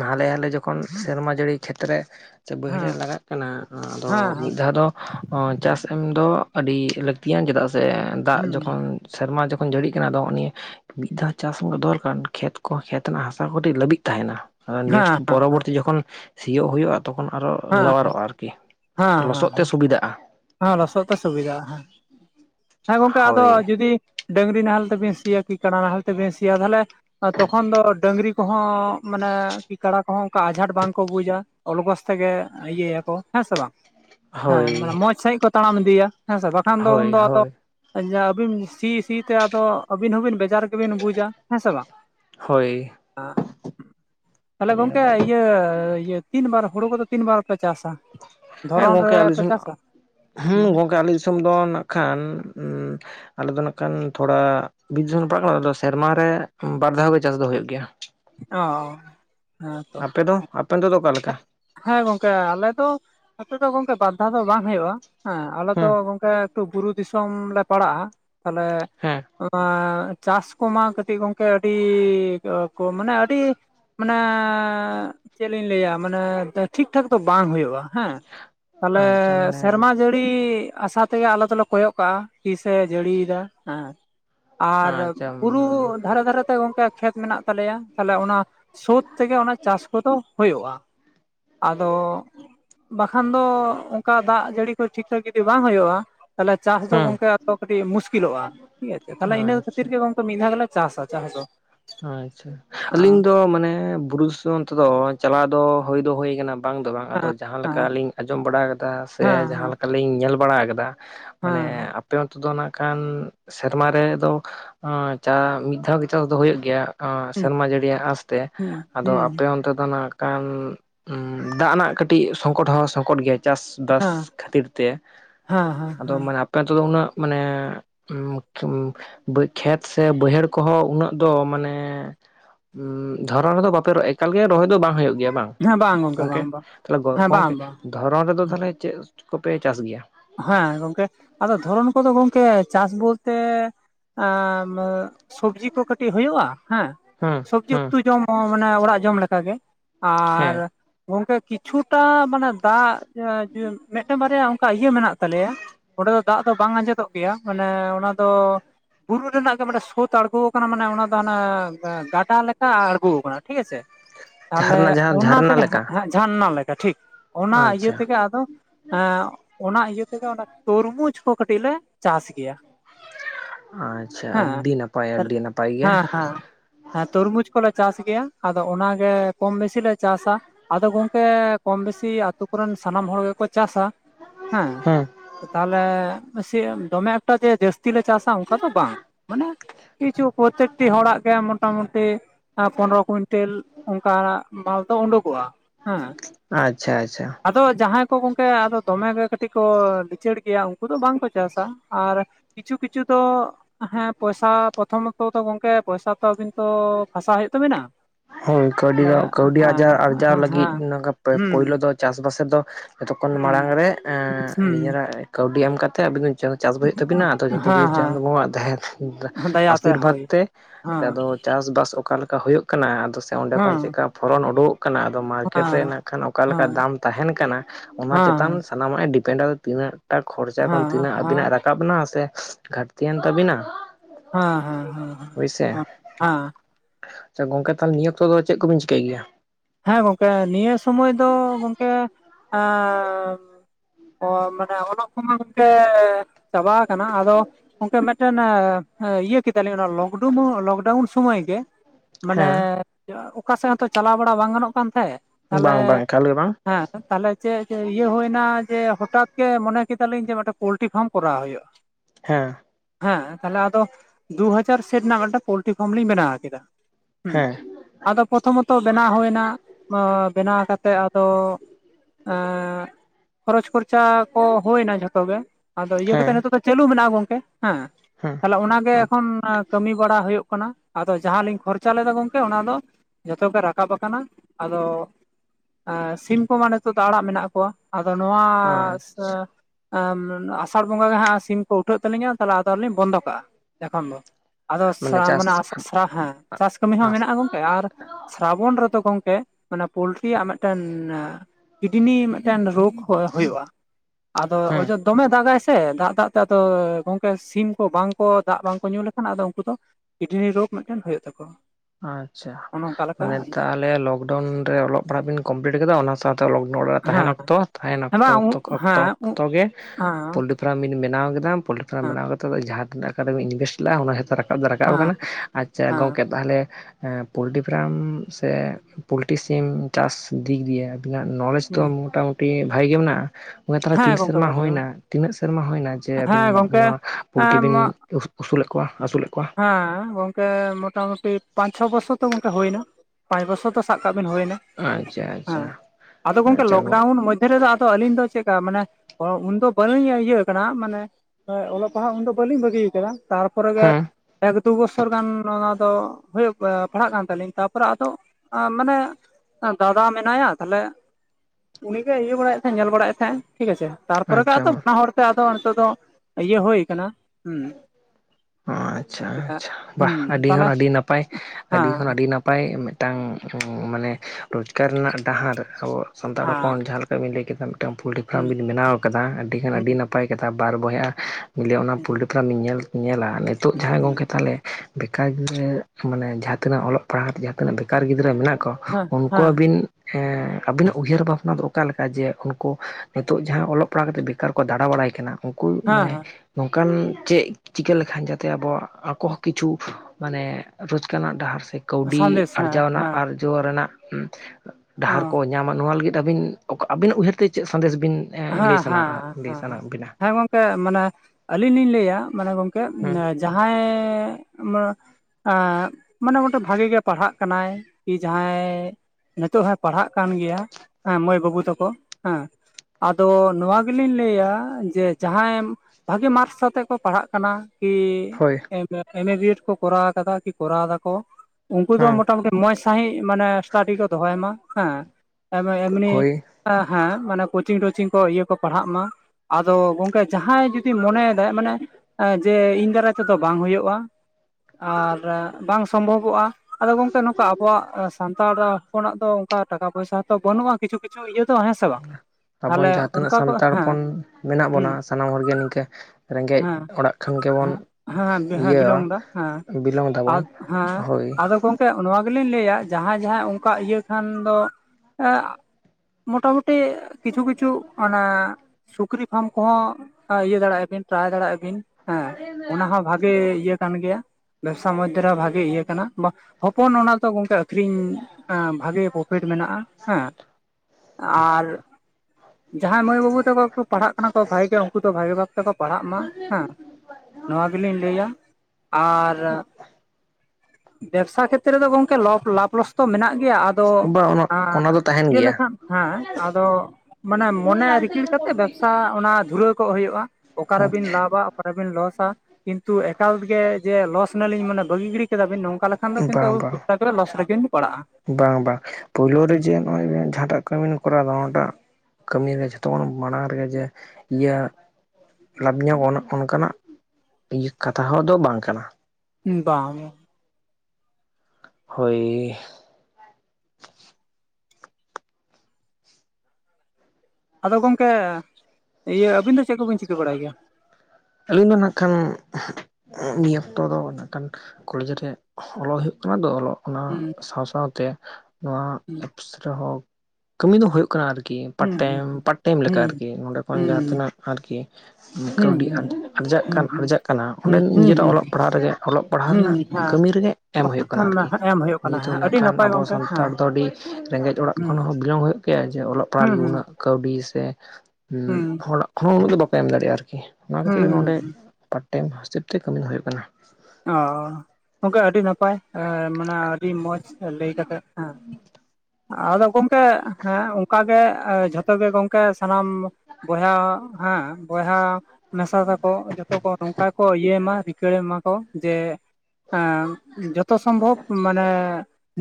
ᱦᱟᱞᱮ ᱦᱟᱞᱮ ᱡᱚᱠᱷᱚᱱ ᱥᱮᱨᱢᱟ ᱡᱟᱹᱲᱤ ᱠᱷᱮᱛ ᱨᱮ ᱥᱮ ᱵᱟᱹᱭᱦᱟᱹᱲ ᱨᱮ ᱦᱮᱸ ᱞᱟᱜᱟᱜ ᱠᱟᱱᱟ ᱟᱫᱚ ᱦᱮᱸ ᱢᱤᱫ ᱫᱷᱟᱣ ᱫᱚ ᱦᱚᱸ ᱪᱟᱥ ᱮᱢ ᱫᱚ ᱟᱹᱰᱤ ᱞᱟᱹᱠᱛᱤᱭᱤᱭᱟ ᱪᱮᱫᱟᱜ ᱥᱮ ᱫᱟᱜ ᱦᱩᱸ ᱡᱚᱠᱷᱚᱱ ᱥᱮᱨᱢᱟ ᱡᱚᱠᱷᱚᱱ ᱡᱟᱹᱲᱤᱜ ᱠᱟᱱᱟ ᱟᱫᱚ ᱚ ᱱᱤᱭᱟᱹ ᱢᱤᱫ ᱫᱷᱟᱣ ᱪᱟᱥ ᱢᱟ ᱫᱚᱨᱠᱟᱱ ᱠᱷᱮᱛ ᱠᱚ ᱠᱷᱮᱛ ᱨᱮᱱᱟᱜ ᱦᱟᱥᱟ ᱠᱚ ᱠᱟᱹᱴᱤᱡ ᱞᱟᱹᱵᱤᱜ ᱛᱟᱦᱮᱱᱟ᱾ ᱟᱵᱟᱨ ᱱᱮᱠᱥᱴ ᱦᱮᱸ ᱦᱮᱸ ᱯᱚᱨᱚᱵᱚᱨᱛᱤ ᱡᱚᱠᱷᱚᱱ ᱥᱤᱭᱳᱜ ᱦᱩᱭᱩᱜ-ᱟ᱾ ᱛᱚᱠᱷᱚᱱ ᱟᱨᱚ ᱦᱮᱸ ᱞᱟᱣᱟᱨᱚᱜ-ᱟ ᱟᱨᱠᱤ ᱞᱚᱥᱚᱫ ᱛᱮ ᱥᱩᱵᱤᱫᱟᱜ-ᱟ᱾ ᱦᱟᱸ ᱞᱚᱥᱚᱫ ᱛᱮ ᱥᱩᱵᱤᱫᱟᱜ ᱦᱟᱸ ᱦᱟᱸ ᱜᱚᱝᱠᱮ ᱟᱫᱚ ᱦᱳᱭ ᱡᱩᱫᱤ ᱰᱟᱹᱝᱨᱤ ᱱᱟᱦᱮᱞ ᱛᱮᱵᱮᱱ ᱥᱤᱭᱟ ᱠᱤ ᱠᱟᱰᱟ ᱱᱟᱦᱟᱞ ᱛᱮᱵᱮᱱ ᱥᱤᱭᱟ ᱛᱟᱦᱚᱞᱮ ᱛᱚᱠᱷᱚᱱ ᱫᱚ ᱰᱟᱹᱝᱨᱤ ᱠᱚᱦᱚᱸ ᱢᱟᱱᱮ ᱠᱤ ᱠᱟᱲᱟ ᱠᱚᱦᱚᱸ ᱚᱱᱠᱟ ᱟᱸᱡᱷᱟᱴ ᱵᱟᱝᱠᱚ ᱵᱩᱡᱟ᱾ ᱚᱞᱜᱚᱥ ᱛᱮᱜᱮ ᱤᱭᱟᱹᱭ ᱟᱠᱚ ᱦᱮᱸ ᱥᱮ ᱵᱟᱝ? ᱦᱳᱭ ᱦᱮᱸ ᱢᱟᱱᱮ ᱢᱚᱸᱡᱽ ᱥᱟᱺᱦᱤᱡ ᱠᱚ ᱛᱟᱲᱟᱢ ᱤᱫᱤᱭᱟ ᱦᱮᱸ ᱥᱮ ᱵᱟᱠᱷᱟᱱ ᱫᱚ ᱦᱳᱭ ᱦᱳᱭ ᱩᱱᱫᱚ ᱟᱫᱚ ᱦᱳᱭ ᱡᱟᱵᱤᱱ ᱥᱤ ᱥᱤ ᱛᱮ ᱟᱫᱚ ᱟᱹᱵᱤᱱ ᱦᱚᱸᱵᱤᱱ ᱵᱮᱡᱟᱨ ᱜᱮᱵᱤᱱ ᱵᱩᱡᱟ ᱦᱮᱸ ᱥᱮ ᱵᱟᱝ? ᱦᱳᱭ [unintelligible] ᱛᱟᱦᱚᱞᱮ ᱟᱹᱰᱤ ᱜᱚᱝᱠᱮ ᱱᱟᱯᱟᱭ ᱤᱭᱟᱹ ᱤᱭᱟᱹ ᱛᱤᱱ ᱵᱟᱨ ᱦᱩᱲᱩ ᱠᱚᱫᱚ ᱛᱤᱱ ᱵᱟᱨ ᱯᱮ ᱪᱟᱥᱟ? ᱦᱮᱸ ᱫᱷᱚᱨᱚᱱ ᱜᱚᱝᱠᱮ ᱨᱮ ᱟᱞᱮ ᱯᱮ ᱥᱮᱱ ᱪᱟᱥᱟ? ᱦᱩᱸ ᱜᱚᱝᱠᱮ ᱟᱞᱮ ᱫᱤᱥᱚᱢ ᱫᱚ ᱱᱟᱹᱜ ᱠᱷᱟᱱ ᱟᱞᱮ ᱫᱚ ᱱᱟᱹᱜ ᱠᱷᱟᱱ ᱛᱷᱚᱲᱟ ᱵᱤᱨ ᱫᱤᱥᱚᱢ ᱞᱮ ᱯᱟᱲᱟᱜ ᱠᱟᱱᱟ ᱛᱚ ᱥᱮᱨᱢᱟᱨᱮ ᱵᱟᱨ ᱫᱷᱟᱣ ᱜᱮ ᱪᱟᱥ ᱫᱚ ᱦᱩᱭᱩᱜ ᱜᱮᱭᱟ᱾ ᱚ, ᱦᱮᱸ ᱛᱚ ᱟᱯᱮᱫᱚ ᱟᱯᱮ ᱚᱱᱛᱮ ᱚᱠᱟ ᱞᱮᱠᱟ? ᱦᱮᱸ ᱜᱚᱝᱠᱮ ᱟᱞᱮ ᱫᱚ ᱱᱚᱛᱮ ᱫᱚ ᱜᱚᱝᱠᱮ ᱵᱟᱨ ᱫᱷᱟᱣ ᱫᱚ ᱵᱟᱝ ᱦᱩᱭᱩᱜ-ᱟ, ᱦᱮᱸ ᱟᱞᱮ ᱫᱚ ᱦᱩᱸ ᱜᱚᱝᱠᱮ ᱴᱩ ᱵᱩᱨᱩ ᱫᱤᱥᱚᱢ ᱞᱮ ᱯᱟᱲᱟᱜ-ᱟ, ᱛᱟᱦᱚᱞᱮ ᱦᱮᱸ, ᱚᱱᱟ ᱪᱟᱥ ᱠᱚᱢᱟ ᱠᱟᱹᱴᱤᱡ ᱜᱚᱝᱠᱮ ᱟᱹᱰᱤ ᱢᱟᱱᱮ ᱠᱚ ᱢᱟᱱᱮ ᱟᱹᱰᱤ ᱢᱟᱱᱮᱻ ᱪᱮᱞᱤᱧ ᱞᱟᱹᱭᱟ ᱢᱟᱱᱮ ᱴᱷᱤᱠ ᱴᱷᱟᱠ ᱫᱚ ᱵᱟᱝ ᱦᱩᱭᱩᱜ-ᱟ, ᱦᱮᱸ ᱛᱟᱦᱚᱞᱮ ᱟᱪᱪᱷᱟ ᱢᱟᱱᱮ ᱥᱮᱨᱢᱟ ᱡᱟᱹ ᱲᱤ ᱟᱥᱟ ᱛᱮᱜᱮ ᱟᱞᱮ ᱫᱚᱞᱮ ᱠᱚᱭᱚᱜ ᱠᱟᱜ-ᱟ, ᱛᱤᱥᱮ ᱡᱟᱹᱲᱤᱭᱮᱫᱟ ᱦᱮᱸ᱾ ᱟᱨ ᱟᱪᱪᱷᱟ ᱵᱩᱨᱩ ᱫᱷᱟᱨᱮ ᱫᱷᱟᱨᱮᱛᱮ ᱜᱚᱝᱠᱮ ᱠᱷᱮᱛ ᱢᱮᱱᱟᱜ ᱛᱟᱞᱮᱭᱟ, ᱛᱟᱦᱚᱞᱮ ᱚᱱᱟ ᱥᱳᱫ ᱛᱮᱜᱮ ᱚᱱᱟ ᱪᱟᱥ ᱠᱚᱫᱚ ᱦᱩᱭᱩᱜ-ᱟ, ᱟᱫᱚ ᱵᱟᱠᱷᱟᱱ ᱫᱚ ᱚᱱᱠᱟ ᱫᱟᱜ ᱡᱟᱹᱲᱤ ᱠᱚ ᱴᱷᱤᱠ ᱴᱷᱟᱠ ᱡᱩᱫᱤ ᱵᱟᱝ ᱦᱩᱭᱩᱜ-ᱟ ᱛᱟᱦᱚᱞᱮ ᱪᱟᱥ ᱫᱚ ᱦᱩᱸ ᱜᱚᱝᱠᱮ ᱟᱫᱚ ᱠᱟᱹᱴᱤᱡ ᱢᱩᱥᱠᱤᱞᱚᱜ-ᱟ, ᱴᱷᱤᱠ ᱟᱪᱷᱮ ᱛᱟᱦᱚᱞᱮ ᱤᱹᱱᱟᱟᱹᱛ ᱠᱷᱟᱹᱛᱤᱨ ᱟᱪᱪᱷᱟ ᱜᱚᱝ ᱢᱤᱫ ᱫᱷᱟᱣ ᱜᱮᱞᱮ ᱪᱟᱥᱼᱟ ᱪᱟᱥ ᱫᱚ᱾ ᱟᱪᱪᱷᱟ ᱟᱹᱞᱤᱧ ᱦᱮᱸ ᱫᱚ ᱢᱟᱱᱮ ᱵᱩᱨᱩᱥ ᱫᱚ ᱚᱱᱛᱮ ᱫᱚ ᱪᱟᱞᱟᱣ ᱫᱚ ᱦᱩᱭ ᱫᱚ ᱦᱩᱭ ᱠᱟᱱᱟ ᱵᱟᱝ ᱫᱚ ᱵᱟᱝ᱾ ᱟᱫᱚ ᱦᱮᱸ ᱡᱟᱦᱟᱸ ᱞᱮᱠᱟᱞᱤᱧ ᱟᱸᱡᱚᱢ ᱵᱟᱲᱟ ᱠᱟᱫᱟ ᱥᱮ ᱦᱮᱸ ᱡᱟᱦᱟᱸ ᱦᱮᱸ ᱞᱮᱠᱟᱞᱤᱧ ᱧᱮᱞ ᱵᱟᱲᱟ ᱠᱟᱫᱟ, ᱢᱟᱱᱮ ᱦᱮᱸ ᱟᱯᱮ ᱚᱱᱛᱮ ᱫᱚ ᱱᱟᱜ ᱠᱷᱟᱱ ᱥᱮᱨᱢᱟ ᱨᱮᱫᱚ ᱪᱟ ᱢᱤᱫ ᱫᱷᱟᱣ ᱜᱮ ᱪᱟᱥ ᱫᱚ ᱦᱩᱭᱩᱜ ᱜᱮᱭᱟ? ᱟᱸ ᱥᱮᱨᱢᱟ ᱡᱟᱹᱲᱤᱭᱟᱜ ᱟᱥᱛᱮ, ᱦᱮᱸ ᱦᱮᱸ ᱦᱮᱸ ᱟᱫᱚ ᱦᱮᱸ ᱟᱯᱮ ᱚᱱ ᱚᱱᱛᱮ ᱫᱚ ᱱᱟᱜ ᱠᱷᱟᱱ ᱫᱟᱜ ᱨᱮᱱᱟᱜ ᱠᱟᱹᱴᱤᱡ ᱥᱚᱝᱠᱚᱴ ᱦᱚᱸ ᱥᱚᱝᱠᱚᱴ ᱜᱮᱭᱟ, ᱛᱚ ᱪᱟᱥ ᱵᱟᱥ ᱠᱷᱟᱹᱛᱤᱨ ᱛᱮ ᱦᱮᱸ ᱦᱮᱸ ᱟᱫᱚ ᱦᱮᱸ ᱢᱟᱱᱮ ᱪᱟ ᱟᱯᱮ ᱚᱱᱛᱮ ᱫᱚ ᱩᱱᱟᱹᱜ ᱢᱟᱱᱮ ᱠᱷᱮᱛ ᱥᱮ ᱵᱟᱹᱭᱦᱟᱹᱲ ᱠᱚᱦᱚᱸ ᱩᱱᱟᱹᱜ ᱫᱚ ᱢᱟᱱᱮ ᱫᱷᱚᱨᱚᱱ ᱨᱮᱫᱚ ᱵᱟᱯᱮ ᱮᱠᱟᱞ ᱜᱮ ᱨᱚᱦᱚᱭ ᱫᱚ ᱵᱟᱝ ᱦᱩᱭᱩᱜ ᱜᱮᱭᱟ ᱵᱟᱝ? ᱦᱮᱸ ᱜᱚᱝᱠᱮ ᱵᱟᱝ ᱵᱟᱝ ᱛᱟᱦᱞᱮ ᱦᱮᱸ ᱜᱚᱝᱠᱮ ᱵᱟᱝ ᱵᱟᱝ ᱫᱷᱚᱨᱚᱱ ᱨᱮᱫᱚ ᱛᱟᱞᱦᱮ ᱪᱮᱫ ᱠᱚᱯᱮ ᱪᱟᱥ ᱜᱮᱭᱟ? ᱦᱮᱸ ᱜᱚᱝᱠᱮ ᱟᱫᱚ ᱫᱷᱚᱨᱚᱱ ᱠᱚᱫᱚ ᱜᱚᱝᱠᱮ ᱪᱟᱥ ᱵᱚᱞᱛᱮ ᱟᱸ ᱥᱚᱵᱡᱤ ᱠᱚ ᱠᱟᱹᱴᱤᱡ ᱦᱩᱭᱩᱜᱼᱟ ᱦᱮᱸ᱾ ᱦᱩᱸ ᱥᱚᱵᱽᱡᱤ ᱦᱩᱸ ᱩᱛᱩ ᱡᱚᱢ ᱦᱚᱸ ᱢᱟᱱᱮ ᱚᱲᱟᱜ ᱡᱚᱢ ᱞᱮᱠᱟᱜᱮ, ᱟᱨ ᱦᱮᱸ ᱜᱚᱝᱠᱮ ᱠᱤᱪᱷᱩᱴᱟ ᱢᱟᱱᱮ ᱫᱟᱜ ᱢᱤᱫᱴᱮᱱ ᱵᱟᱨᱭᱟ ᱚᱱᱠᱟ ᱤᱭᱟᱹ ᱢᱮᱱᱟᱜ ᱛᱟᱞᱮᱭᱟ ᱚᱸᱰᱮ ᱫᱚ ᱫᱟᱜ ᱫᱚ ᱵᱟᱝ ᱟᱸᱡᱮᱫᱚᱜ ᱜᱮᱭᱟ ᱢᱟᱱᱮ ᱚᱱᱟ ᱫᱚ ᱵᱩᱨᱩ ᱨᱮᱱᱟᱜ ᱜᱮ ᱥᱳᱫ ᱟᱲᱜᱳ ᱟᱠᱟᱱᱟ ᱢᱟᱱᱮ ᱚᱱᱟ ᱫᱚ ᱦᱟᱱᱮ ᱜᱟᱰᱟ ᱞᱮᱠᱟ ᱟᱲᱜᱳ ᱟᱠᱟᱱᱟ ᱴᱷᱤᱠ ᱟᱪᱷᱮ᱾ ᱛᱟᱦᱚᱞᱮ ᱡᱷᱟᱨᱱᱟ ᱡᱟᱦᱟᱸ ᱚᱱᱟ ᱡᱷᱟᱨᱱᱟ ᱛᱮᱜᱮ ᱞᱮᱠᱟ [unintelligible] ᱡᱷᱟᱨᱱᱟ ᱞᱮᱠᱟ ᱴᱷᱤᱠ ᱚᱱᱟ ᱤᱭᱟᱹ ᱟᱪᱪᱷᱟ ᱛᱮᱜᱮ ᱟᱫᱚ ᱮᱸ ᱚᱱᱟ ᱤᱭᱟᱹ ᱛᱮᱜᱮ ᱚᱱᱟ ᱛᱚᱨᱢᱩᱡᱽ ᱠᱚ ᱠᱟᱹᱴᱤᱡ ᱞᱮ ᱪᱟᱥ ᱜᱮᱭᱟ᱾ ᱟᱪᱪᱷᱟ, ᱦᱮᱸ ᱟᱹᱰᱤ ᱱᱟᱯᱟᱭ ᱦᱮᱸ ᱟᱹᱰᱤ ᱱᱟᱯᱟᱭ ᱜᱮᱭᱟ᱾ ᱦᱮᱸ ᱦᱮᱸ ᱛᱚᱨᱢᱩᱡᱽ ᱠᱚᱞᱮ ᱪᱟᱥ ᱜᱮᱭᱟ, ᱟᱫᱚ ᱚᱱᱟᱜᱮ ᱠᱚᱢ ᱵᱮᱥᱤ ᱞᱮ ᱪᱟᱥᱟ᱾ ᱟᱫᱚ ᱜᱚᱢᱠᱮ ᱠᱚᱢ ᱵᱮᱥᱤ ᱟᱹᱛᱩ ᱠᱚᱨᱮᱱ ᱥᱟᱱᱟᱢ ᱦᱚᱲ ᱜᱮᱠᱚ ᱪᱟᱥᱟ ᱦᱮᱸ᱾ ᱛᱟᱦᱚᱞᱮ ᱥᱮ ᱫᱚᱢᱮ ᱮᱠᱴᱟ ᱡᱮ ᱡᱟᱹᱥᱛᱤ ᱞᱮ ᱪᱟᱥᱟ ᱚᱱᱠᱟ ᱫᱚ ᱵᱟᱝ ᱢᱟᱱᱮ ᱠᱤᱪᱷᱩ ᱯᱨᱚᱛᱛᱮᱠᱴᱤ ᱦᱚᱲᱟᱜ ᱜᱮ ᱢᱚᱴᱟᱢᱩᱴᱤ ᱮᱸ ᱯᱚᱱᱨᱚ ᱠᱩᱭᱤᱱᱴᱮᱞ ᱚᱱᱠᱟ ᱢᱟᱞ ᱩᱰᱩᱠᱚᱜᱼᱟ᱾ ᱦᱮᱸ ᱟᱪᱪᱷᱟ ᱟᱪᱪᱷᱟ᱾ ᱟᱫᱚ ᱡᱟᱦᱟᱸᱭ ᱠᱚ ᱜᱚᱢᱠᱮ ᱟᱫᱚ ᱫᱚᱢᱮᱜᱮ ᱠᱟᱹᱴᱤᱡ ᱠᱚ, ᱞᱤᱪᱟᱹᱲ ᱜᱮᱭᱟ ᱩᱱᱠᱩ ᱫᱚ ᱵᱟᱝ ᱠᱚ ᱪᱟᱥᱟ ᱟᱨ ᱠᱤᱪᱷᱩ ᱠᱤᱪᱷᱩ ᱫᱚ ᱦᱮᱸ ᱯᱚᱭᱥᱟ ᱯᱨᱚᱛᱷᱚᱢ ᱚᱠᱛᱚ ᱛᱚ ᱜᱚᱝᱠᱮ ᱯᱚᱭᱥᱟ ᱛᱚ ᱟᱵᱤᱱ ᱛᱚ ᱯᱷᱟᱥᱟ ᱦᱩᱭᱩᱜ ᱛᱟᱵᱤᱱᱟ᱾ ᱦᱳᱭ ᱠᱟᱹᱣᱰᱤ ᱫᱚ ᱛᱟᱦᱚᱞᱮ ᱠᱟᱹᱣᱰᱤ ᱟᱨ ᱦᱮᱸ ᱟᱨᱡᱟᱣ ᱦᱮᱸ ᱞᱟᱹᱜᱤᱫ ᱦᱮᱸ ᱱᱚ ᱦᱩᱸ ᱯᱳᱭᱞᱳ ᱫᱚ ᱪᱟᱥᱵᱟᱥ ᱨᱮᱫᱚ ᱡᱚᱛᱚ ᱠᱷᱚᱱ ᱦᱩᱸ ᱢᱟᱲᱟᱝ ᱨᱮ ᱦᱩᱸ ᱱᱤᱡᱮᱨᱟᱜ ᱠᱟᱹᱣᱰᱤ ᱮᱢ ᱠᱟᱛᱮ ᱟᱵᱤᱱ ᱫᱚ ᱪᱟᱥ ᱫᱚ ᱦᱩᱭᱩᱜ ᱛᱟᱵᱤᱱᱟ ᱟᱫᱚ ᱡᱚᱛᱚ ᱠᱤᱪᱷᱩ ᱪᱟᱸᱫᱳ ᱦᱮᱸ ᱵᱚᱸᱟᱜ ᱛᱟᱦᱮᱱ ᱦᱮᱸ ᱫᱟᱭᱟᱛᱮ ᱟᱥᱤᱨᱵᱟᱫᱽ ᱦᱳᱭ ᱛᱮ ᱦᱮᱸ ᱟᱫᱚ ᱪᱟᱥᱵᱟᱥ ᱚᱠᱟᱞᱮᱠᱟ ᱦᱩᱭᱩᱜ ᱠᱟᱱᱟ ᱟᱫᱚ ᱚᱸᱰᱮ ᱠᱷᱚᱱ ᱦᱮᱸ ᱪᱮᱫᱠᱟ ᱯᱷᱚᱨᱚᱱ ᱩᱰᱩᱠ ᱠᱟᱱᱟ ᱟᱫᱚ ᱢᱟᱨᱠᱮᱴ ᱦᱮᱸ ᱦᱮᱸ ᱨᱮ ᱱᱟᱜ ᱠᱷᱟᱱ ᱚᱠᱟ ᱞᱮᱠᱟ ᱦᱮᱸ ᱫᱟᱢ ᱛᱟᱦᱮᱱ ᱠᱟᱱᱟ ᱦᱮᱸ ᱚᱱᱟ ᱦᱮᱸ ᱪᱮᱛᱟᱱ ᱦᱮᱸ ᱥᱟᱱᱟᱢᱟᱜ ᱮ ᱰᱤᱯᱮᱱᱰᱫᱟ ᱛᱤᱱᱟᱹᱜ ᱴᱟ ᱠᱷᱚᱨᱪᱟ ᱠᱷᱚᱱ ᱛᱤᱱᱟᱹᱜ ᱟᱵᱤᱱᱟᱜ ᱨᱟ ᱨᱟᱠᱟᱵᱱᱟ ᱥᱮ ᱜᱷᱟᱨᱛᱤ ᱮᱱ ᱛᱟᱵᱤᱱᱟ᱾ ᱦᱮᱸ ᱦᱮᱸ ᱦᱳᱭᱥᱮ ᱦᱮᱸ ᱦᱮᱸ ᱜᱚᱝᱠᱮ ᱛᱟᱦᱚᱞᱮ ᱱᱤᱭᱟᱹ ᱚᱠᱛᱚ ᱫᱚ ᱪᱮᱫ ᱠᱚ ᱵᱮᱱ ᱪᱤᱠᱟᱹᱭ ᱜᱮᱭᱟ? ᱦᱮᱸ ᱜᱚᱝᱠᱮ ᱱᱤᱭᱟᱹ ᱥᱚᱢᱚᱭ ᱫᱚ ᱜᱚᱝᱠᱮ ᱟᱸ᱾ ᱢᱟᱱᱮ ᱚᱞᱚᱜ ᱠᱚᱢᱟ ᱜᱚᱝᱠᱮ ᱪᱟᱵᱟ ᱠᱟᱱᱟ ᱟᱫᱚ ᱜᱚᱝᱠᱮ ᱢᱤᱫᱴᱮᱱ ᱤᱭᱟᱹ ᱠᱮᱫᱟᱞᱤᱧ ᱚᱱᱟ ᱞᱚᱠᱰᱩᱱ ᱞᱚᱠᱰᱟᱣᱩᱱ ᱥᱚᱢᱚᱭ ᱜᱮ ᱢᱟᱱᱮ᱾ ᱦᱮᱸ ᱚᱠᱟ ᱥᱮᱫ ᱦᱚᱸ ᱛᱚ ᱪᱟᱞᱟᱣ ᱵᱟᱲᱟ ᱵᱟᱝ ᱜᱟᱱᱚᱜ ᱠᱟᱱ ᱛᱟᱸᱦᱮᱫ ᱛᱟᱦᱚᱞᱮ ᱵᱟᱝ ᱵᱟᱝ ᱮᱠᱟᱞ ᱜᱮ ᱵᱟᱝ ᱦᱮᱸ ᱛᱟᱦᱚᱞᱮ ᱪᱮᱫ ᱤᱭᱟᱹ ᱦᱩᱭᱱᱟ ᱡᱮ ᱦᱚᱴᱟᱛ ᱜᱮ ᱢᱚᱱᱮ ᱠᱮᱫᱟᱞᱤᱧ ᱡᱮ ᱢᱤᱫᱴᱮᱱ ᱯᱳᱚᱞᱴᱨᱤ ᱯᱷᱟᱨᱢ ᱠᱚᱨᱟᱣ ᱦᱩᱭᱩᱜᱼᱟ᱾ [unintelligible] ᱦᱮᱸ ᱦᱮᱸ ᱛᱟᱦᱚᱞᱮ ᱟᱫᱚ ᱫᱩ ᱦᱟᱡᱟᱨ ᱥᱮᱴ ᱨᱮᱱᱟᱜ ᱢᱤᱫᱴᱟᱝ ᱯᱳᱚᱞᱴᱨᱤ ᱯᱷᱟᱨᱢ ᱞᱤᱧ ᱵᱮᱱᱟᱣ ᱠᱮᱫᱟ᱾ ᱦᱩᱸ ᱦᱮᱸ ᱟᱫᱚ ᱯᱨᱚᱛᱷᱚᱢᱚᱛᱚ ᱵᱮᱱᱟᱣ ᱦᱩᱭᱱᱟ ᱵᱮᱱᱟᱣ ᱠᱟᱛᱮᱫ ᱟᱫᱚ ᱮᱸ ᱠᱷᱚᱨᱚᱪ ᱠᱷᱚᱨᱪᱟ ᱠᱚ ᱦᱩᱭᱱᱟ ᱡᱷᱚᱛᱚ ᱜᱮ᱾ ᱟᱫᱚ ᱤᱭᱟᱹ ᱦᱮᱸ ᱠᱟᱛᱮᱜ ᱱᱤᱛᱚᱜ ᱫᱚ ᱪᱟᱹᱞᱩ ᱢᱮᱱᱟᱜᱼᱟ ᱜᱚᱝᱠᱮ ᱦᱮᱸ᱾ ᱦᱮᱸ ᱛᱟᱦᱚᱞᱮ ᱚᱱᱟᱜᱮ ᱮᱠᱷᱚᱱ ᱠᱟᱹᱢᱤ ᱵᱟᱲᱟ ᱦᱩᱭᱩᱜ ᱠᱟᱱᱟ ᱟᱫᱚ ᱡᱟᱦᱟᱸ ᱞᱤᱧ ᱠᱷᱚᱨᱪᱟ ᱞᱮᱫᱟ ᱜᱚᱝᱠᱮ ᱚᱱᱟ ᱫᱚ ᱡᱚᱛᱚᱜᱮ ᱨᱟᱠᱟᱵ ᱟᱠᱟᱱᱟ ᱟᱫᱚ ᱥᱤᱢ ᱠᱚᱢᱟ ᱱᱤᱛᱚᱜ ᱫᱚ ᱟᱲᱟᱜ ᱢᱮᱱᱟᱜ ᱠᱚᱣᱟ᱾ ᱟᱫᱚ ᱱᱚᱣᱟ ᱟᱪᱪᱷᱟ ᱥᱚ ᱮᱸ ᱟᱥᱟᱲ ᱵᱚᱸᱜᱟ ᱜᱮ ᱦᱟᱸᱜ ᱥᱤᱢ ᱠᱚ ᱩᱴᱷᱟᱹᱜ ᱛᱟᱹᱟᱞᱤᱧᱟ ᱛᱟᱦᱚᱞᱮ ᱟᱫᱚ ᱞᱤᱧ ᱵᱚᱱᱫᱚ ᱠᱟᱜᱼᱟ ᱮᱠᱷᱚᱱ ᱫᱚ᱾ ᱟᱫᱚ ᱢᱟᱱᱮ ᱪᱟᱥ [inaudible] ᱪᱟᱥ ᱠᱟᱹᱢᱤ ᱦᱚᱸ ᱢᱮᱱᱟᱜᱼᱟ ᱜᱚᱝᱠᱮ ᱟᱨ ᱥᱨᱟᱵᱚᱱ ᱨᱮᱫᱚ ᱜᱚᱝᱠᱮ ᱢᱟᱱᱮ ᱯᱳᱞᱴᱨᱤᱭᱟᱜ ᱢᱤᱫᱴᱮᱱ, ᱠᱤᱰᱱᱤ ᱢᱤᱫᱴᱮᱱ ᱨᱳᱜᱽ ᱦᱩᱭᱩᱜᱼᱟ ᱟᱫᱚ ᱦᱮᱸ [inaudible] ᱫᱚᱢᱮ ᱫᱟᱜᱟᱭ ᱥᱮ ᱫᱟᱜ ᱫᱟᱜ ᱛᱮ ᱟᱫᱚ ᱜᱚᱝᱠᱮ ᱥᱤᱢ ᱠᱚ ᱵᱟᱝ ᱠᱚ, ᱫᱟᱜ ᱵᱟᱝᱠᱚ ᱧᱩ ᱞᱮᱠᱷᱟᱱ ᱟᱫᱚ ᱩᱱᱠᱩ ᱫᱚ ᱠᱤᱰᱱᱤ ᱨᱳᱜᱽ ᱢᱤᱫᱴᱮᱱ ᱦᱩᱭᱩᱜ ᱛᱟᱠᱚᱣᱟ᱾ ᱟᱪᱪᱷᱟ ᱚᱱᱮ ᱚᱱᱠᱟ ᱞᱮᱠᱟ ᱢᱟᱱᱮ ᱤᱭᱟᱹ ᱛᱟᱦᱚᱞᱮ ᱞᱚᱠᱰᱟᱣᱩᱱ ᱨᱮ ᱚᱞᱚᱜ ᱯᱟᱲᱦᱟᱜ ᱵᱤᱱ ᱠᱚᱢᱯᱤᱞᱴ ᱟᱠᱟᱫᱟ ᱚᱱᱟ ᱥᱟᱶᱛᱮ ᱞᱚᱠᱰᱟᱩᱱ ᱛᱟᱦᱮᱱ ᱚᱠᱛᱚ ᱛᱟᱦᱮᱱ ᱦᱮᱸ ᱚᱠᱛᱚ ᱵᱟᱝ ᱦᱮᱸ ᱚᱠᱛᱚ ᱜᱮ ᱦᱮᱸ ᱾ ᱯᱷᱟᱨᱨᱟᱢ ᱤᱧ ᱵᱮᱱᱟᱣ ᱠᱮᱫᱟ ᱯᱳᱞᱴᱨᱤ ᱯᱷᱟᱨᱟᱢ ᱦᱮᱸ ᱵᱮᱱᱟᱣ ᱠᱟᱛᱮᱫ ᱡᱟᱸᱦᱟ ᱛᱤᱱᱟᱹᱜ ᱚᱟᱨ ᱤᱱᱵᱷᱮᱥᱴ ᱞᱮᱫᱟᱜᱼᱟ ᱚᱱᱟ ᱦᱚᱛᱮ ᱨᱟᱠᱟᱵ ᱫᱚ ᱨᱟᱠᱟᱵ ᱦᱮᱸ ᱟᱠᱟᱱᱟ᱾ ᱟᱪᱪᱷᱟ ᱦᱮᱸ ᱜᱚᱝᱠᱮ ᱛᱟᱦᱚᱞᱮ ᱯᱳᱞᱴᱤ ᱯᱷᱟᱨᱟᱢ ᱥᱮ ᱯᱳᱚᱞᱴ ᱤᱧ ᱪᱟᱥ ᱫᱤᱠ ᱫᱤᱭᱤᱭᱟ ᱟᱵᱤᱱᱟᱜ ᱱᱚᱞᱮᱡᱽ ᱫᱚ ᱦᱩᱸ ᱢᱳᱴᱟᱢᱩᱴᱤ ᱵᱷᱟᱜᱮ ᱜᱮ ᱢᱮᱱᱟᱜᱼᱟ᱾ ᱚᱱᱟ ᱛᱟᱦᱚᱞᱮ ᱦᱮᱸ ᱛᱤᱱ ᱜᱚᱝᱠᱮ ᱥᱮᱨᱢᱟ ᱵᱷᱟᱜᱮ ᱦᱮᱸ ᱦᱩᱭᱮᱱᱟ ᱛᱤᱱᱟᱹᱜ ᱥᱮᱨᱢᱟ ᱦᱩᱭᱱᱟ ᱡᱮ ᱟᱹᱵᱤᱱ ᱜᱚᱝᱠᱮ ᱱᱚᱣᱟ ᱯᱚᱞᱴᱤ ᱦᱮᱸ ᱵᱤᱱ ᱢᱟ ᱟᱹᱥᱩᱞᱮᱫ ᱠᱚᱣᱟ ᱟᱹᱥᱩᱞᱮᱫ ᱠᱚᱣᱟ᱾ ᱦᱮᱸ ᱜᱚᱝᱠᱮ ᱢᱚᱴᱟ ᱢᱩᱴᱤ ᱯᱟᱸᱪ ᱪᱷᱚ ᱵᱚᱪᱷᱚᱨ ᱛᱚ ᱜᱚᱝᱠᱮ ᱦᱩᱭ ᱱᱟ᱾ ᱯᱟᱸᱪ ᱵᱚᱪᱷᱚᱨ ᱛᱚ ᱥᱟᱵ ᱠᱟᱜ ᱵᱤᱱ ᱦᱩᱭᱱᱟ, ᱟᱪᱪᱷᱟ ᱟᱪᱪᱷᱟ ᱦᱮᱸ ᱟᱫᱚ ᱜᱚᱝᱠᱮ ᱟᱪᱪᱷᱟ ᱜᱚ ᱞᱚᱠᱰᱟᱣᱩᱱ ᱢᱚᱫᱷ ᱫᱮ ᱨᱮᱫᱚ ᱟᱫᱚ ᱟᱹᱞᱤᱧ ᱫᱚ ᱪᱮᱫᱠᱟ ᱢᱟᱱᱮ ᱩᱱᱫᱚ ᱵᱟᱹᱞᱤᱧ ᱤᱭᱟᱹ ᱠᱟᱱᱟ ᱢᱟᱱᱮ ᱦᱚᱭ ᱚᱞᱚᱜ ᱯᱟᱲᱦᱟᱜ ᱩᱱᱫᱚ ᱵᱟᱹᱞᱤᱧ ᱵᱟᱹᱜᱤᱭᱟ ᱟᱠᱟᱫᱟ ᱛᱟᱨᱯᱚᱨᱮ ᱜᱮ ᱦᱮᱸ ᱮᱠ ᱫᱩ ᱵᱚᱪᱷᱚᱨ ᱜᱟᱱ ᱚᱱᱟ ᱫᱚ ᱦᱩᱭᱩᱜ ᱯᱟᱲᱦᱟᱜ ᱠᱟᱱ ᱛᱟᱹᱟᱞᱤᱧ ᱛᱟᱯᱚ ᱨᱮ ᱟᱫᱚ ᱢᱟᱱᱮ ᱫᱟᱫᱟ ᱢᱮᱱᱟᱭᱟ ᱛᱟᱦᱞᱮ᱾ ᱩᱱᱤᱜᱮ ᱤᱭᱟᱹ ᱵᱟᱲᱟᱭᱮᱫ ᱮ ᱛᱟᱦᱮᱸᱫ ᱧᱮᱞ ᱵᱟᱲᱟᱭᱮᱫ ᱛᱟᱦᱮᱸᱫ ᱴᱷᱤᱠ ᱜᱟᱪᱷᱮ᱾ ᱛᱟᱨᱯᱚ ᱨᱮ ᱟᱪᱪᱷᱟ ᱟᱫᱚ ᱢᱟ ᱵᱟᱱᱟ ᱦᱚᱲ ᱛᱮ ᱟᱫᱚ ᱱᱤᱛᱚᱜ ᱫᱚ ᱤᱭᱟᱹ ᱦᱩ ᱟᱠᱟᱱᱟ ᱦᱩᱸ᱾ ᱚ ᱟᱪᱪᱷᱟ ᱟᱪᱪᱷᱟ ᱵ ᱦᱩᱸ ᱟᱹᱰᱤ ᱛᱟᱦᱚᱞᱮ ᱠᱷᱚᱱ ᱟᱹᱰᱤ ᱱᱟᱯᱟᱭ ᱟᱹᱰᱤ ᱠᱷᱚᱱ ᱦᱮᱸ ᱟᱹᱰᱤ ᱱᱟᱯᱟᱭ᱾ ᱱᱟᱯᱟᱭ ᱢᱤᱫᱴᱟᱝ ᱢᱟᱱᱮ ᱨᱚᱡᱽᱜᱟᱨ ᱨᱮᱱᱟᱜ ᱰᱟᱦᱟᱨ ᱟᱵᱚ ᱥᱟᱱᱛᱟᱲ ᱦᱮᱸ ᱦᱚᱯᱚᱱ ᱡᱟᱦᱟᱸ ᱞᱮᱠᱟ᱾ ᱞᱟᱹᱭ ᱠᱮᱫᱟ ᱢᱤᱫᱴᱟᱝ ᱯᱳᱚᱞᱴᱨᱤ ᱯᱷᱟᱨᱢ ᱦᱩᱸ ᱵᱤᱱ ᱵᱮᱱᱟᱣ ᱟᱠᱟᱫᱟ ᱟᱹᱰᱤ ᱜᱟᱱ ᱟᱹᱰᱤ ᱱᱟᱯᱟᱭ ᱠᱟᱛᱷᱟ ᱵᱟᱨ ᱵᱚᱭᱦᱟ ᱯᱩᱞᱰᱤᱯᱨᱟᱢ ᱤᱧ ᱧᱮᱞ ᱧᱮᱞᱟ ᱱᱤᱛᱚᱜ ᱡᱟᱦᱟᱸᱭ ᱜᱚᱝᱠᱮ ᱛᱟᱦᱞᱮ? ᱵᱮᱠᱟᱨ ᱜᱤᱫᱽᱨᱟᱹ ᱢᱟᱱᱮ ᱡᱟᱦᱟᱸ ᱛᱤᱱᱟᱹᱜ ᱚᱞᱚᱜ ᱯᱟᱲᱦᱟᱜ ᱡᱟᱦᱟᱸ ᱛᱤᱱᱟᱹᱜ ᱵᱮᱠᱟᱨ ᱜᱤᱫᱽᱨᱟᱹ ᱢᱮᱱᱟᱜ ᱠᱚᱣᱟ ᱦᱮᱸ ᱩᱱᱠᱩ ᱦᱮᱸ ᱟᱹᱵᱤᱱ᱾ ᱦᱮᱸ ᱟᱵᱤᱱᱟᱜ ᱩᱭᱦᱟᱹᱨ ᱵᱷᱟᱵᱱᱟ ᱫᱚ ᱚᱠᱟᱞ ᱞᱮᱠᱟ ᱡᱮ ᱩᱱᱠᱩ ᱱᱤᱛᱚᱜᱜ ᱡᱟᱦᱟᱸ ᱚᱞᱚᱜ ᱯᱟᱲᱦᱟᱜ᱾ ᱵᱟᱯᱲᱟᱣ ᱠᱟᱛᱮ ᱵᱮᱠᱟᱨ ᱠᱚ ᱫᱟᱬᱟ ᱵᱟᱲᱟᱭ ᱠᱟᱱᱟ ᱩᱱᱠᱩ ᱦᱮᱸ ᱢᱟᱱᱮ? ᱦᱮᱸ ᱚᱱᱠᱟᱱ ᱪᱮᱫ ᱪᱤᱠᱟᱹ ᱞᱮᱠᱷᱟᱱ ᱡᱟᱛᱮ ᱟᱵᱚᱣᱟᱜ ᱟᱠᱚ ᱦᱚᱸ ᱠᱤᱪᱷᱩ ᱢᱟᱱᱮ ᱨᱳᱡᱽᱠᱟᱨ ᱰᱟᱦᱟᱨ ᱥᱮ ᱠᱟᱹᱣᱰᱤ ᱥᱟᱸᱫᱮᱥ ᱦᱮᱸ ᱟᱨᱡᱟᱣ ᱨᱮᱱᱟᱜ ᱦᱮᱸ ᱟᱨ ᱡᱚ ᱨᱮᱱᱟᱜ ᱚ ᱰᱟᱦᱟᱨ ᱠᱚ ᱧᱟᱢᱟ ᱱᱚᱣᱟ ᱞᱟᱹᱜᱤᱫ ᱟᱹᱵᱤᱱ ᱟᱹᱵᱤᱱᱟᱜ ᱩᱭᱦᱟᱹᱨᱛᱮ ᱪᱮᱫ ᱥᱟᱸᱫᱮᱥ ᱵᱤᱱ ᱞᱟᱹᱭ ᱦᱮᱸ ᱦᱮᱸ ᱥᱟᱱᱟᱼᱟ ᱞᱟᱹᱭ ᱥᱟᱱᱟ ᱦᱮᱸᱮᱸ ᱵᱤᱱᱟ ᱦᱮᱸ ᱜᱚᱝᱠᱮ ᱢᱟᱱᱮ ᱟᱞᱤᱧ ᱞᱤᱧ ᱞᱟᱹᱭᱟ ᱢᱟᱱᱮ ᱜᱚᱝᱠᱮ᱾ ᱦᱮᱸ ᱡᱟᱦᱟᱸᱭ ᱮᱸᱻ ᱢᱟᱱᱮ ᱜᱚᱴᱮᱱ ᱵᱷᱟᱜᱤ ᱜᱮ ᱯᱟᱲᱦᱟᱜ ᱠᱟᱱᱟᱭ ᱠᱤ ᱡᱟᱦᱟᱸᱭ ᱱᱤᱛᱚᱜ ᱦᱚᱸ ᱯᱟᱲᱦᱟᱜ ᱠᱟᱱ ᱜᱮᱭᱟ ᱦᱮᱸ ᱢᱟᱹᱭ ᱵᱟᱹᱵᱩ ᱛᱟᱠᱚ ᱦᱮᱸ᱾ ᱟᱫᱚ ᱱᱚᱣᱟ ᱜᱮᱞᱤᱧ ᱞᱟᱹᱭᱟ ᱡᱮ ᱡᱟᱦᱟᱸᱭ ᱵᱷᱟᱜᱮ ᱢᱟᱨᱠᱥ ᱥᱟᱛᱮᱜ ᱠᱚ ᱯᱟᱲᱦᱟᱜ ᱠᱟᱱᱟ᱾ ᱠᱤ ᱦᱳᱭ ᱮᱢ ᱮ ᱵᱤᱭ ᱮᱰ ᱠᱚ ᱠᱚᱨᱟᱣ ᱠᱟᱫᱟ ᱠᱤ ᱠᱚᱨᱟᱣ ᱫᱟᱠᱚ ᱩᱱᱠᱩ ᱫᱚ ᱦᱮᱸ ᱢᱚᱴᱟᱢᱩᱴᱤ ᱢᱚᱸᱡᱽ ᱥᱟᱹᱦᱤᱡ ᱢᱟᱱᱮ ᱮᱴᱟᱰᱤ ᱠᱚ ᱫᱚᱦᱚᱭ ᱢᱟ ᱦᱮᱸ ᱮᱢᱱᱤ ᱦᱳᱭ ᱮᱸᱻ ᱦᱮᱸ ᱢᱟᱱᱮ ᱠᱳᱪᱤᱝ ᱴᱳᱪᱤᱝ ᱠᱚ ᱤᱭᱟᱹ ᱠᱚ ᱯᱟᱲᱦᱟᱜ ᱢᱟ᱾ ᱟᱫᱚ ᱜᱚᱝᱠᱮ ᱡᱟᱦᱟᱸᱭ ᱡᱩᱫᱤ ᱢᱚᱱᱮ ᱫᱟᱭ ᱢᱟᱱᱮ ᱡᱮ ᱤᱧ ᱫᱟᱨᱟᱭ ᱛᱮᱫᱚ ᱵᱟᱝ ᱦᱩᱭᱩᱜᱼᱟ ᱟᱨ ᱵᱟᱝ ᱥᱚᱢᱵᱷᱚᱵᱚᱜᱼᱟ᱾ ᱟᱫᱚ ᱜᱚᱝᱠᱮ ᱱᱚᱝᱠᱟ ᱟᱵᱚᱣᱟᱜ ᱥᱟᱱᱛᱟᱲ ᱦᱚᱯᱚᱱᱟᱜ ᱫᱚ ᱚᱱᱠᱟ ᱴᱟᱠᱟ ᱯᱚᱭᱥᱟ ᱛᱚ ᱵᱟᱹᱱᱩᱜᱼᱟ ᱠᱤᱪᱷᱩ ᱠᱤᱪᱷᱩ ᱤᱭᱟᱹ ᱫᱚ ᱦᱮᱸ ᱥᱮ ᱵᱟᱝ? ᱟᱵᱚ ᱛᱟᱦᱚᱞᱮ ᱡᱟᱦᱟᱸ ᱛᱤᱱᱟᱹᱜ ᱚᱱᱠᱟ ᱠᱚ ᱥᱟᱱᱛᱟᱲ ᱦᱮᱸ ᱦᱚᱯᱚᱱ ᱢᱮᱱᱟᱜ ᱵᱚᱱᱟ ᱥᱟᱱᱟᱢ ᱦᱚᱲᱜᱮ ᱱᱤᱝᱠᱟᱹ ᱨᱮᱸᱜᱮᱡ ᱦᱮᱸ ᱚᱲᱟᱜ ᱠᱷᱚᱱ ᱜᱮᱵᱚᱱ ᱦᱮᱸ ᱦᱮᱸ ᱵᱤᱞᱚᱢ ᱤᱭᱟᱹᱣᱟ ᱫᱟ ᱵᱤᱞᱚᱝ ᱫᱟᱵᱚᱱ ᱦᱮᱸ ᱦᱮᱸ ᱦᱳᱭ ᱟᱫᱚ ᱜᱚᱝ ᱱᱚᱣᱟ ᱜᱮᱞᱤᱧ ᱞᱟᱹᱭᱟ ᱡᱟᱦᱟᱸᱭ ᱡᱟᱦᱟᱸᱭ ᱚᱱᱠᱟ ᱤᱭᱟᱹ ᱠᱷᱟᱱ ᱫᱚ ᱮᱸᱻ ᱢᱚᱴᱟ ᱢᱩᱴᱤ ᱠᱤᱪᱷᱩ ᱠᱤᱪᱷᱩ ᱚᱱᱟ ᱥᱩᱠᱨᱤ ᱯᱷᱟᱨᱢ ᱠᱚᱦᱚᱸ ᱤᱭᱟᱹ ᱫᱟᱲᱮᱭᱟᱜᱼᱟ ᱵᱤᱱ ᱴᱮᱨᱟᱭ ᱫᱟᱲᱮᱭᱟᱜᱼᱟ ᱵᱤᱱ᱾ ᱦᱮᱸ ᱚᱱᱟ ᱦᱚᱸ ᱵᱷᱟᱜᱮ [unintelligible] ᱤᱭᱟᱹ ᱠᱟᱱ ᱜᱮᱭᱟ ᱵᱮᱵᱽᱥᱟ ᱢᱚᱫᱽᱫᱷᱮᱨᱮ ᱵᱷᱟᱜᱤ ᱤᱭᱟᱹ ᱠᱟᱱᱟ᱾ [unintelligible] ᱦᱚᱯᱚᱱ ᱚᱱᱟ ᱫᱚ ᱜᱚᱝᱠᱮ ᱟᱹᱷᱨᱤᱧ ᱵᱷᱟᱜᱤ ᱯᱚᱯᱷᱮᱴ ᱢᱮᱱᱟᱜᱼᱟ ᱦᱮᱸ ᱟᱨ ᱡᱟᱦᱟᱸᱟᱸᱭ ᱢᱟᱹᱭ ᱵᱟᱹᱵᱩ ᱛᱟᱠᱚ ᱯᱟᱲᱦᱟᱜ ᱠᱟᱱᱟ ᱠᱚ ᱵᱷᱟᱜ ᱜᱮ ᱩᱱᱠᱩ ᱫᱚ ᱵᱷᱟᱜᱤ ᱵᱷᱟᱵ ᱛᱮᱠᱚ ᱯᱟᱲᱦᱟᱜ ᱢᱟ ᱦᱮᱸ ᱱᱚᱣᱟ ᱜᱮ ᱞᱤᱧ ᱞᱟᱹᱭᱟ ᱟᱨ ᱵᱮᱵᱽᱥᱟ ᱠᱷᱮᱛ ᱨᱮ ᱨᱮ ᱫᱚ ᱜᱚᱝᱠᱮ ᱞᱟᱵᱷ ᱞᱚᱥᱛᱚ ᱢᱮᱱᱟᱜ ᱜᱮᱭᱟ᱾ ᱟᱫᱚ ᱵᱟ ᱚᱱᱟ ᱚᱱᱟ ᱫᱚ ᱛᱟᱦᱮᱱ ᱤᱭᱟᱹ ᱜᱮᱭᱟ ᱞᱮᱠᱷᱟᱱ ᱦᱮᱸ ᱟᱫᱚ᱾ ᱢᱟᱱᱮ ᱢᱚᱱᱮ ᱨᱤᱠᱤᱲ ᱠᱟᱛᱮᱜ ᱵᱮᱵᱥᱟ ᱚᱱᱟ ᱫᱷᱩᱨᱟᱹᱣ ᱠᱚᱜ ᱦᱩᱭᱩᱜᱼᱟ ᱚᱠᱟᱨᱮᱵᱤᱱ ᱞᱟᱵᱷ ᱠᱚᱣᱟᱜ ᱚᱠᱟᱨᱮ ᱵᱮᱱ ᱞᱚᱥᱟ ᱠᱤᱱᱛᱩ ᱮᱠᱟᱞᱜᱮ ᱡᱮ ᱞᱚᱥ ᱱᱟᱞᱤᱧ ᱢᱟᱱᱮ ᱵᱟᱹᱜᱤ ᱜᱤᱲᱤ ᱠᱮᱫᱟᱵᱤᱱ ᱱᱚᱝᱠᱟ ᱞᱮᱠᱷᱟᱱ ᱫᱚ ᱠᱤᱱᱛᱩ ᱵᱟᱝ ᱟᱵᱚ ᱵᱟᱝ ᱠᱚᱨᱮ ᱞᱚᱥ ᱨᱮᱜᱤᱧ ᱯᱟᱲᱟᱜ-ᱟ᱾ ᱦᱳᱭ ᱜᱮ ᱡᱟᱦᱟᱸᱴᱟᱜ ᱠᱟᱹᱢᱤᱱ ᱠᱚᱨᱟᱣᱫᱟ ᱚᱱᱟᱴᱟᱜ ᱠᱟᱹᱢᱤ ᱨᱮ ᱡᱷᱚᱛᱚ ᱠᱷᱚᱱ ᱢᱟᱲᱟᱝ ᱨᱮᱜᱮ ᱡᱮ ᱤᱭᱟᱜ ᱞᱟᱵᱷ ᱧᱟᱢᱚᱜ ᱚᱱᱠᱟᱱᱟᱜ ᱤᱭᱟᱹ ᱠᱟᱛᱷᱟ ᱦᱚᱸ ᱫᱚ ᱵᱟᱝ ᱠᱟᱱᱟ᱾ ᱵᱟᱝ ᱦᱳᱭ ᱟᱫᱚ ᱜᱚᱝᱠᱮ ᱤᱭᱟᱹ ᱟᱹᱵᱤᱱ ᱫᱚ ᱪᱮ ᱠᱚᱵᱤᱱ ᱪᱤᱠᱟᱹ ᱵᱟᱲᱟᱭ ᱜᱮᱭᱟ? ᱟᱹᱞᱤᱧ ᱫᱚ ᱱᱟᱜ ᱠᱷᱟᱱ ᱱᱤᱭᱟᱹ ᱚᱠᱛᱚ ᱫᱚ ᱱᱟᱜ ᱠᱷᱟᱱ ᱠᱚᱞᱮᱡᱽ ᱨᱮ ᱚᱞᱚᱜ ᱦᱩᱭᱩᱜ ᱠᱟᱱᱟ ᱫᱚ ᱚᱞᱚᱜ ᱚᱱᱟ ᱦᱩᱸ ᱥᱟᱶ ᱥᱟᱶᱛᱮ ᱱᱚᱣᱟ ᱦᱩᱸ ᱟᱯᱷᱤᱥ ᱨᱮᱦᱚᱸ ᱠᱟᱹᱢᱤ ᱫᱚ ᱦᱳᱭᱳᱜ ᱠᱟᱱᱟ ᱟᱨ ᱠᱤ ᱯᱟᱴ ᱦᱩᱸ ᱴᱟᱭᱤᱢ ᱯᱟᱴᱴᱟᱭᱤᱢ ᱞᱮᱠᱟ ᱦᱩᱸ ᱟᱨᱠᱤ ᱱᱚᱸᱰᱮ ᱦᱩᱸ ᱠᱷᱚᱱ ᱡᱟᱦᱟᱸ ᱛᱤᱱᱟᱹᱜ ᱟᱨᱠᱤ ᱦᱩᱸ ᱠᱟᱹᱣᱰᱤ ᱦᱩᱸ ᱟᱨᱡᱟᱜ ᱦᱩᱸ ᱠᱟᱱ ᱦᱩᱸ ᱟᱨᱡᱟᱜ ᱠᱟᱱᱟ ᱦᱩᱸ ᱚᱸᱰᱮᱱ ᱦᱩᱸ ᱱᱤᱡᱮᱨᱟᱜ ᱦᱩᱸ ᱚᱞᱚᱜ ᱯᱟᱲᱦᱟᱜ ᱨᱮᱜᱮ ᱚᱞᱚᱜ ᱯᱟᱲᱦᱟᱜ ᱦᱩᱸ ᱦᱩᱸ ᱨᱮᱱᱟᱜ ᱦᱮᱸ ᱠᱟᱹᱢᱤ ᱨᱮᱜᱮ ᱮᱢ ᱦᱳᱭᱳᱜ ᱠᱟᱱᱟ ᱟᱨᱠᱤ ᱮᱢ ᱦᱩᱭᱩᱜ ᱠᱟᱱᱟ ᱡᱮᱦᱮᱛᱩ ᱦᱟᱸᱜ ᱱᱟᱜ ᱟᱹᱰᱤ ᱠᱷᱟᱱ ᱱᱟᱯᱟᱭ ᱟᱵᱚ ᱜᱚᱝᱠᱮ ᱦᱮᱸ ᱥᱟᱱᱛᱟᱲ ᱫᱚ ᱟᱹᱰᱤ‌ ᱨᱮᱸᱜᱮᱡ ᱚᱲᱟᱜ ᱦᱩᱸ ᱠᱷᱚᱱ ᱦᱚᱸ ᱵᱤᱞᱚᱝ ᱦᱩᱭᱩᱜ ᱠᱮᱭᱟᱡᱟᱣ ᱚᱞᱚᱜ ᱯᱟᱲᱦᱟᱜ ᱦᱩᱸ ᱞᱟᱹᱜᱤᱫ ᱦᱩᱸ ᱩᱱᱟᱹᱜ ᱠᱟᱹᱣᱰᱤ ᱥᱮ ᱩ ᱦᱩᱸ ᱦᱚᱲᱟᱜ ᱠᱷᱚᱱᱦᱚᱸ ᱩᱱᱟᱹᱜ ᱫᱚ ᱵᱟᱠᱚ ᱮᱢ ᱫᱟᱲᱮᱭᱟᱜ-ᱟ ᱟᱨᱠᱤ ᱱᱚᱣᱟ ᱦᱩᱸ ᱠᱷᱟᱹᱛᱤᱨ ᱜᱮ ᱦᱩᱸ ᱱᱚᱸᱰᱮ ᱦᱩᱸ ᱯᱟᱴ ᱴᱟᱭᱤᱢ ᱦᱤᱥᱟᱹᱵ ᱛᱮ ᱠᱟᱹᱢᱤ ᱞᱟᱦᱟ ᱦᱩᱭᱩᱜ ᱠᱟᱱᱟ ᱚ ᱱᱚᱝᱠᱟ ᱟᱹᱰᱤ ᱱᱟᱯᱟᱭ ᱮᱸ ᱢᱟᱱᱮ ᱟᱹᱰᱤ ᱢᱚᱡᱽ ᱞᱟᱹᱭ ᱠᱟᱛᱮᱫ ᱦᱮᱸ ᱟᱫᱚ ᱜᱚᱢᱠᱮ ᱦᱮᱸ ᱚᱝᱠᱟ ᱜᱮ ᱮᱸ ᱡᱷᱚ ᱛᱚᱵᱮ ᱜᱚᱝᱠᱮ ᱥᱟᱱᱟᱢ ᱵᱚᱭᱦᱟ ᱦᱮᱸ ᱵᱚᱭᱦᱟ ᱱᱮᱥᱟ ᱛᱟᱠᱚ ᱡᱚᱛᱚ ᱠᱚ ᱱᱚᱝᱠᱟ ᱠᱚ ᱤᱭᱟᱹᱭ ᱢᱟ ᱨᱤᱠᱟᱹᱭ ᱢᱟ ᱠᱚ ᱡᱮ ᱮ ᱡᱚᱛᱚ ᱥᱚᱢᱵᱷᱚᱵᱽ ᱢᱟᱱᱮ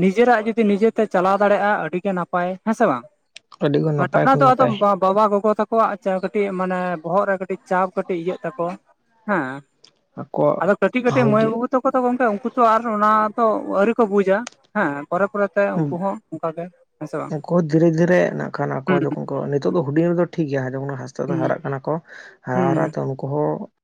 ᱱᱤᱡᱮᱨᱟᱜ ᱡᱩᱫᱤ ᱱᱤᱡᱮᱛᱮ ᱪᱟᱞᱟᱣ ᱫᱟᱲᱮᱜ-ᱟ ᱟᱹᱰᱤ ᱜᱮ ᱱᱟᱯᱟᱭ ᱦᱮᱸ ᱥᱮ ᱵᱟᱝ? ᱟᱹᱰᱤ ᱜᱮ ᱱᱟᱯᱟᱭ ᱢᱟᱰᱣᱟ ᱠᱷᱚᱱ ᱫᱚ ᱟᱫᱚᱢ ᱱᱟᱯᱟᱭ ᱵᱟᱢ ᱵᱟᱵᱟ ᱜᱚᱜᱚ ᱛᱟᱠᱚᱣᱟᱜ ᱪᱟ ᱠᱟᱹᱴᱤᱡ ᱢᱟᱱᱮ ᱵᱚᱦᱚᱜ ᱨᱮ ᱠᱟᱹᱴᱤᱡ ᱪᱟᱯ ᱠᱟᱹᱴᱤᱡ ᱤᱭᱟᱹᱜ ᱛᱟᱠᱚᱣᱟ ᱦᱮᱸ ᱟᱠᱚᱣᱟᱜ ᱟᱫᱚ ᱠᱟᱹᱴᱤᱡ ᱠᱟᱹᱴᱤᱡ ᱦᱚᱸ ᱢᱟᱹᱭ ᱡᱮ ᱵᱟᱹᱵᱩ ᱛᱟᱠᱚ ᱫᱚ ᱜᱚᱝᱠᱮ ᱩᱱᱠᱩ ᱛᱚ ᱟᱨ ᱚᱱᱟ ᱛᱚ ᱟᱹᱣᱨᱤ ᱠᱚ ᱵᱩᱡᱟ, ᱦᱮᱸ ᱯᱚᱨᱮ ᱯᱚᱨᱮᱛᱮ ᱩᱝᱠᱩ ᱦᱚᱸ ᱚᱝᱠᱟ ᱜᱮ ᱦᱮ ᱥᱮ ᱵᱟᱝ ᱩᱱᱠᱩ ᱫᱷᱤᱨᱮ ᱫᱷᱤᱨᱮ ᱱᱟᱜ ᱠᱷᱟᱱ ᱟᱠᱚ ᱦᱩᱸ ᱡᱚᱠᱷᱚᱱ ᱠᱚ ᱱᱤᱛᱚᱜ ᱫᱚ ᱦᱩᱰᱤᱧ ᱨᱮᱫᱚ ᱴᱷᱤᱠ ᱜᱮᱭᱟ ᱡᱚᱠᱷᱚᱱ ᱦᱟᱸᱥᱫᱟ ᱛᱮ ᱦᱩᱸ ᱦᱟᱨᱟᱜ ᱠᱟᱱᱟ ᱠᱚ ᱦᱩᱸ [unintelligible] ᱩᱱᱠᱩ ᱦᱚᱸ